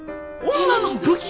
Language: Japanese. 女の武器！？